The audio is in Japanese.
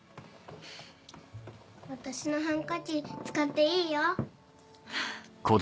私のハンカチ使っていいよ。